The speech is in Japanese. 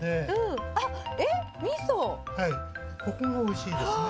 ここがおいしいですね。